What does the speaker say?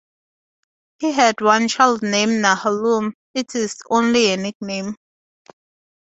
He had one child named "Nahalum", it is only a nickname.